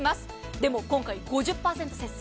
でも、今回５０％節水。